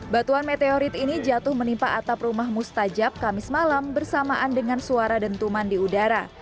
batuan meteorit ini jatuh menimpa atap rumah mustajab kamis malam bersamaan dengan suara dentuman di udara